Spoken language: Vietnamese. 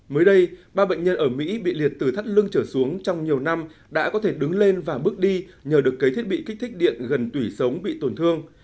mới đây ba bệnh nhân ở mỹ bị liệt từ thắt lưng trở xuống trong nhiều năm đã có thể đứng lên và bước đi nhờ được cấy thiết bị kích thích điện gần tủy sống bị tổn thương